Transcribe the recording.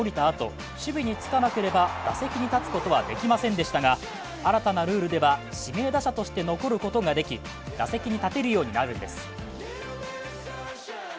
あと守備につかなければ打席に立つことはできませんでしたが新たなルールでは、指名打者として残ることができ打席に立てるようになるんです。